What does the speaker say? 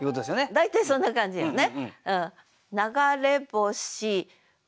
大体そんな感じよね。